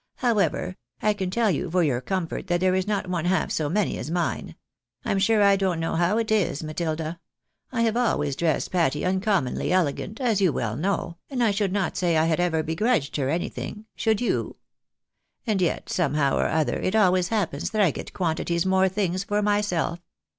How ever, I can tell you for your comfort that there is not one half so many as mine. I'm sure I don't know how it is, Matilda. I have always dressed Patty uncommonly elegant, as you well know, and I should not say I had ever begrudged her anything — should you ? And yet, somehow or other, it always happens that I get quantities more things for myself.